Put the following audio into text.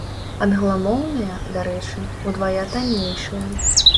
Англамоўныя, дарэчы, удвая таннейшыя.